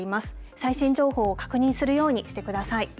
最新情報を確認するようにしてください。